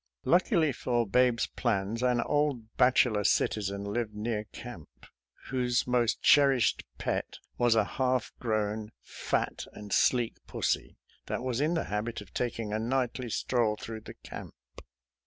Luckily for Babe's plans, an old bachelor citizen lived near camp, whose most cherished pet was a half grown, fat, and sleek pussy, that was in the habit of taking a nightly stroll through the camp.